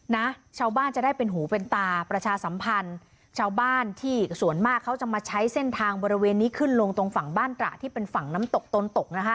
นะชาวบ้านจะได้เป็นหูเป็นตาประชาสัมพันธ์ชาวบ้านที่ส่วนมากเขาจะมาใช้เส้นทางบริเวณนี้ขึ้นลงตรงฝั่งบ้านตระที่เป็นฝั่งน้ำตกตนตกนะคะ